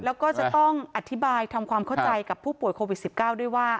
แล้วก็จะต้องอธิบายทำความเข้าใจกับผู้ป่วยโควิด๑๙ด้วยว่า